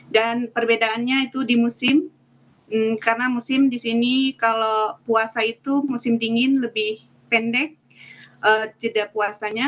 dan perbedaannya itu di musim karena musim di sini kalau puasa itu musim dingin lebih pendek jeda puasanya